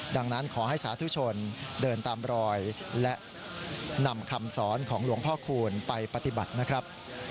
ดังนั้นขอให้สาธุชนเดินตามรอยและนำคำสอนของหลวงพ่อคูณไปปฏิบัตินะครับ